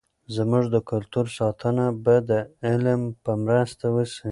زموږ د کلتور ساتنه به د علم په مرسته وسي.